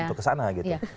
untuk kesana gitu